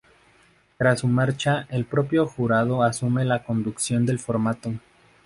Tras su marcha, el propio jurado asume la conducción del formato.